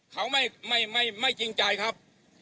เขาไม่จริงใจครับ